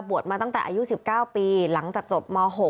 มาตั้งแต่อายุ๑๙ปีหลังจากจบม๖